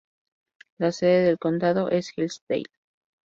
La sede del condado es Hillsdale.